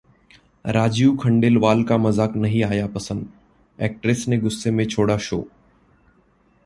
राजीव खंडेलवाल का मजाक नहीं आया पसंद, एक्ट्रेस ने गुस्से में छोड़ा शो!